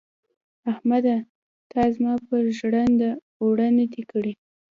احمده تا زما پر ژرنده اوړه نه دې کړي.